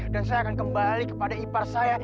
dan saya akan kembali kepada ipar saya